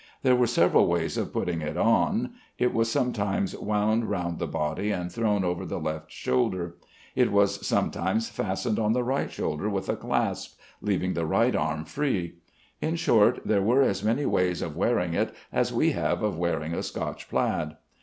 There were several ways of putting it on. It was sometimes wound round the body and thrown over the left shoulder. It was sometimes fastened on the right shoulder with a clasp, leaving the right arm free. In short, there were as many ways of wearing it as we have of wearing a Scotch plaid.